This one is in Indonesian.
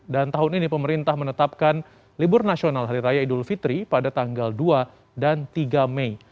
dan tahun ini pemerintah menetapkan libur nasional hari raya idul fitri pada tanggal dua dan tiga mei